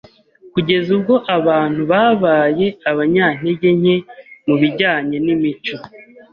kugeza ubwo abantu babaye abanyantege nke mu bijyanye n’imico